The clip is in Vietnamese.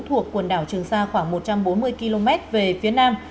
thuộc quần đảo trường sa khoảng một trăm bốn mươi km về phía nam